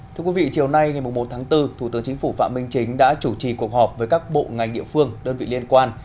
thưa quý vị chiều nay ngày một tháng bốn thủ tướng chính phủ phạm minh chính đã chủ trì cuộc họp với các bộ ngành địa phương đơn vị liên quan